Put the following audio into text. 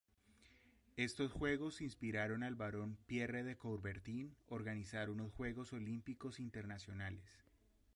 Estos juegos inspiraron al Barón Pierre de Coubertin organizar unos juegos olímpicos internacionales.